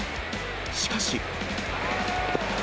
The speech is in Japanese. しかし。